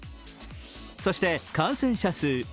そして感染者数。